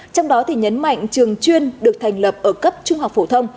trong đó thì nhấn mạnh trường chuyên được thành lập ở cấp trung học phổ thông